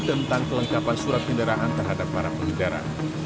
tentang kelengkapan surat kendaraan terhadap para pengendara